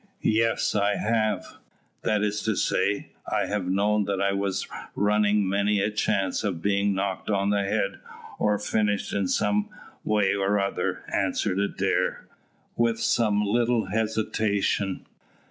"Yes, I have; that is to say, I have known that I was running many a chance of being knocked on the head or finished in some way or other," answered Adair, with some little hesitation.